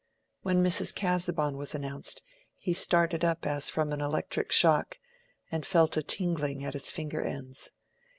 When Mrs. Casaubon was announced he started up as from an electric shock, and felt a tingling at his finger ends.